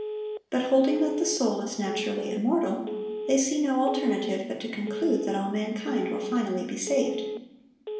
But holding that the soul is naturally immortal, they see no alternative but to conclude that all mankind will finally be saved.